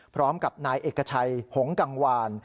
พร้อมกับนายเอกชัยหงกังวาน